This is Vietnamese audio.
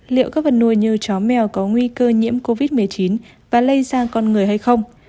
liệu các vật nuôi như chó mèo có nguy cơ nhiễm covid một mươi chín và lây sang con người hay không